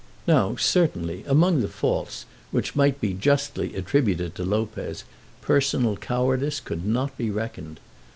Now, certainly, among the faults which might be justly attributed to Lopez, personal cowardice could not be reckoned.